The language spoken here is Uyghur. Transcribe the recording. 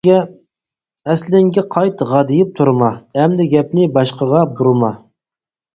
ئەسلىڭگە قايت غادىيىپ تۇرما، ئەمدى گەپنى باشقىغا بۇرىما.